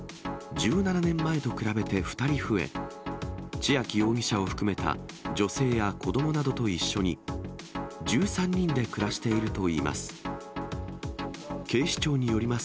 １７年前と比べて２人増え、千秋容疑者を含めた女性や子どもなどと一緒に、１３人で暮らしているといいます。